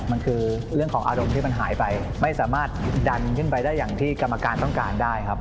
มันคือเรื่องของอารมณ์ที่มันหายไปไม่สามารถดันขึ้นไปได้อย่างที่กรรมการต้องการได้ครับ